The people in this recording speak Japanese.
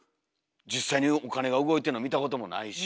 実際にお金が動いてんの見たこともないし。